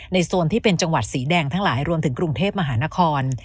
โซนที่เป็นจังหวัดสีแดงทั้งหลายรวมถึงกรุงเทพมหานคร